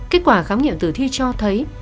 kết quả khám nghiệm tử thi cho thấy